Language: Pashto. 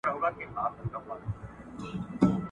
ستا په خوله کي مي د ژوند وروستی ساعت وو ,